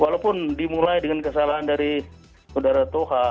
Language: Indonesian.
walaupun dimulai dengan kesalahan dari saudara toha